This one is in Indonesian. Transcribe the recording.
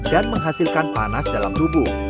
dan menghasilkan panas dalam tubuh